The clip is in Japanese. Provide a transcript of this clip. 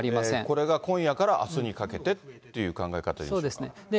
これが今夜からあすにかけてっていう考え方でいいんでしょうそうですね。